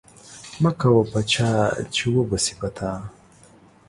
مکوه په چاه چې و به سي په تا.